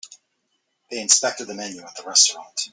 They inspected the menu at the restaurant.